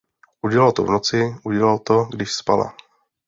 Udělal to v noci, udělal to, když spala.